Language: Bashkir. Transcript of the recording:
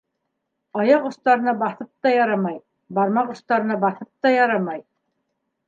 - Аяҡ остарына баҫып та ярамай, бармаҡ остарына баҫып та ярамай.